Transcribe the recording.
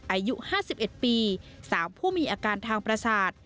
อายุห้าสิบเอ็ดปีสาวผู้มีอาการทางประสาท